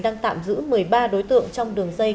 đang tạm giữ một mươi ba đối tượng trong đường dây